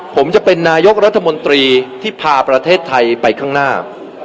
ผมจะเป็นนายกรัฐมนตรีที่พาประเทศไทยไปข้างหน้า